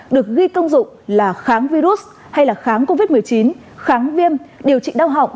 được ghi công dụng là kháng virus hay kháng covid một mươi chín kháng viêm điều trị đau họng